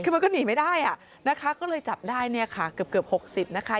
คือมันก็หนีไม่ได้นะคะก็เลยจับได้เกือบ๖๐นะคะ